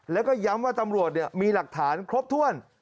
แล้วก็ย้ำว่าตำรวจมีหลักฐานครบถ้วน